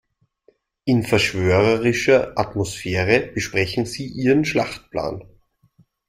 In verschwörerischer Atmosphäre besprechen sie ihren Schlachtplan.